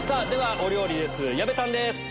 ではお料理です矢部さんです。